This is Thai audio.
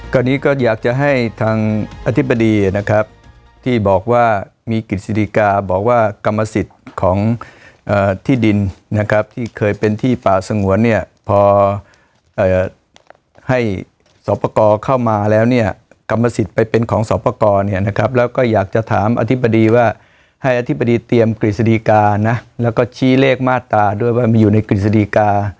ก็นี้ก็อยากจะให้ทางอธิบดีนะครับที่บอกว่ามีกฤษฎิกาบอกว่ากรรมสิทธิ์ของที่ดินนะครับที่เคยเป็นที่ป่าสงวนเนี่ยพอให้สอบประกอบเข้ามาแล้วเนี่ยกรรมสิทธิ์ไปเป็นของสอบประกอบเนี่ยนะครับแล้วก็อยากจะถามอธิบดีว่าให้อธิบดีเตรียมกฤษฎีกานะแล้วก็ชี้เลขมาตราด้วยว่ามีอยู่ในกฤษฎีกา